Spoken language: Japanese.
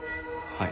はい。